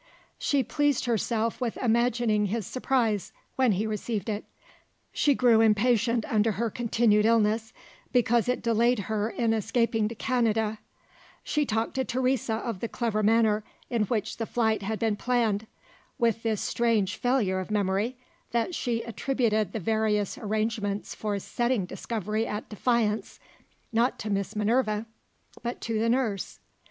She pleased herself with imagining his surprise, when he received it; she grew impatient under her continued illness, because it delayed her in escaping to Canada; she talked to Teresa of the clever manner in which the flight had been planned with this strange failure of memory, that she attributed the various arrangements for setting discovery at defiance, not to Miss Minerva, but to the nurse.